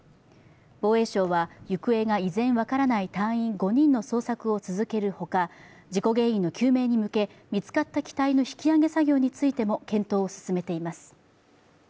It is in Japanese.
防衛省は行方が依然分からない隊員５人の捜索を進めるほか、事故原因の究明に向け見つかった機体の引き揚げ作業についても検討を進めています。